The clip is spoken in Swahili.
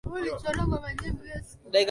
Msichana huyu ni mrefu sana.